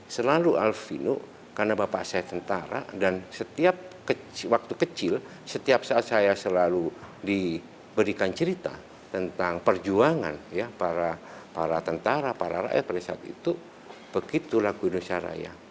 selalu alvino karena bapak saya tentara dan setiap waktu kecil setiap saat saya selalu diberikan cerita tentang perjuangan ya para tentara para rakyat pada saat itu begitu lagu indonesia raya